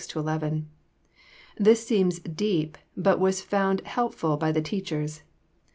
This seems deep, but was found helpful by the teachers....